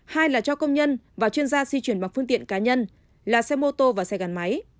hai là cho công nhân và chuyên gia di chuyển bằng phương tiện cá nhân là xe mô tô và xe gắn máy